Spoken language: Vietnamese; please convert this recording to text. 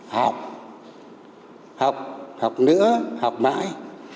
học học học nữa học mãi